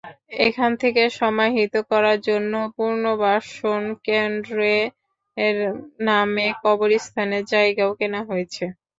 এখান থেকে সমাহিত করার জন্য পুনর্বাসনকেন্দ্রের নামে কবর স্থানের জায়গাও কেনা হয়েছে।